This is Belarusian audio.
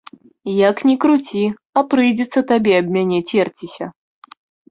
Як ні круці, а прыйдзецца табе аб мяне церціся.